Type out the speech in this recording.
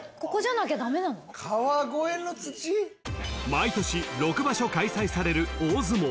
［毎年６場所開催される大相撲］